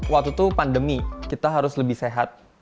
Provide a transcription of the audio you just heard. waktu itu pandemi kita harus lebih sehat